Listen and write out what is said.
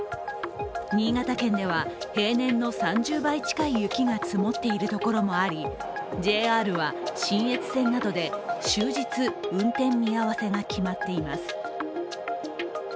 新潟県では平年の３０倍近い雪が積もっている所もあり、ＪＲは信越線などで終日運転見合わせが決まっています。